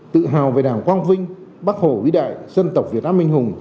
tự hào về đảng quang vinh bắc hồ vĩ đại dân tộc việt nam minh hùng